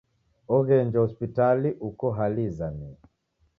Oghenjwa hospitali uko hali izamie.